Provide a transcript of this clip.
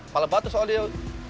pahala banget soalnya